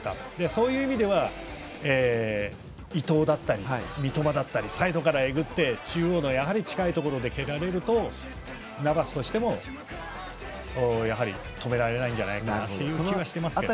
そういう意味では伊東だったり、三笘だったりがサイドからえぐって中央の近いところで蹴られるとナバスとしても止められないんじゃないかという気はしてますけどね。